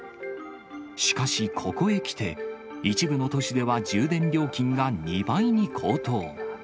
しかし、ここへきて、一部の都市では充電料金が２倍に高騰。